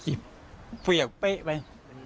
เสียโป๊ะเผ้ไป